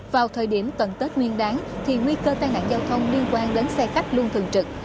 vào thời điểm cận tết nguyên đáng thì nguy cơ tai nạn giao thông liên quan đến xe khách luôn thường trực